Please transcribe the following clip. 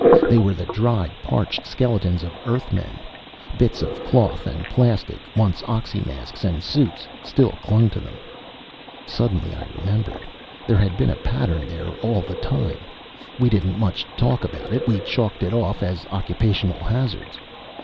They were the dried, parched skeletons of Earthmen. Bits of cloth and plastic, once oxymasks and suits, still clung to them. Suddenly I remembered. There had been a pattern there all the time. We didn't much talk about it; we chalked it off as occupational hazards.